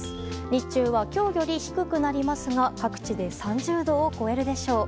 日中は、今日より低くなりますが各地で３０度を超えるでしょう。